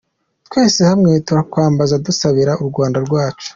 Twese hamwe turakwambaza dusabira u Rwanda rwacu.